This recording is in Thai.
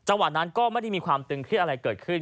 จังหวัดนั้นก็ไม่ได้มีความเตืองคุยอะไรเกิดขึ้น